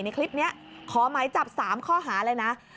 ในคลิปนี้ขอหมายจับ๓ข้อหาเลยนะ